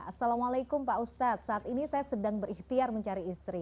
assalamualaikum pak ustadz saat ini saya sedang berikhtiar mencari istri